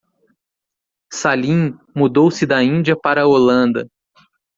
Salim mudou-se da Índia para a Holanda.